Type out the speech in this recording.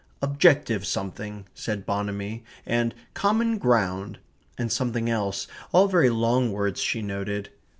"Objective something," said Bonamy; and "common ground" and something else all very long words, she noted.